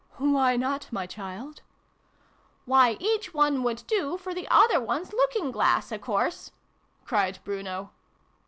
"Why not, my child ?"" Why, each one would do for the other one's looking glass, a course !" cried Bruno.